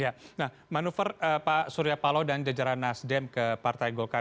ya nah manuver pak surya palo dan jajaran nasdem ke partai golkar